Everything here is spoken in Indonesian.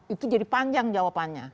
itu jadi panjang jawabannya